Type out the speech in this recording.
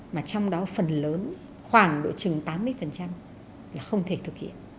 mà trong đó phần lớn khoảng độ chừng tám mươi là không thể thực hiện